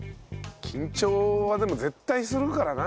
緊張はでも絶対するからな。